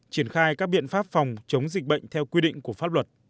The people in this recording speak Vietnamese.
triển khai các biện pháp phòng chống dịch bệnh theo quy định của pháp luật